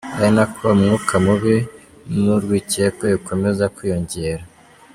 Ari nako umwuka mubi n’urwikekwe bikomeza kwiyongera.